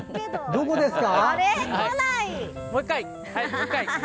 どこですか？